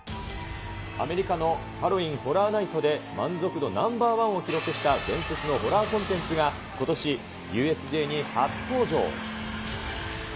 アメリカのハロウィーンホラーナイトで満足度ナンバー１を記録した伝説のホラーコンテンツが、ことしＵＳＪに初登場。